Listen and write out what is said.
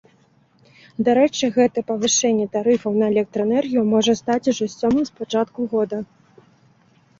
Дарэчы, гэтае павышэнне тарыфаў на электраэнергію можа стаць ужо сёмым з пачатку года.